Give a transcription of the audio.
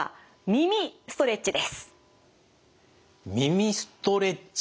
耳ストレッチ。